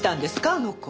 あの子。